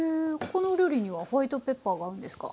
このお料理にはホワイトペッパーが合うんですか？